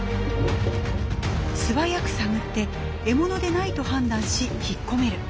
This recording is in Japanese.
素早く探って獲物でないと判断し引っ込める。